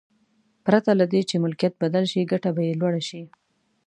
پرته له دې چې ملکیت بدل شي ګټه به یې لوړه شي.